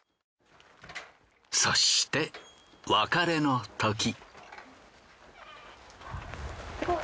そして別れのとき。